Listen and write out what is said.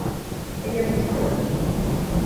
Ele é muito falante.